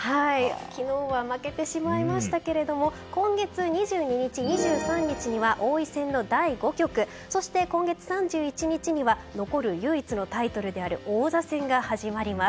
昨日は負けてしまいましたが今月２２日、２３日には王位戦の第５局そして、今月３１日には残る唯一のタイトルである王座戦が始まります。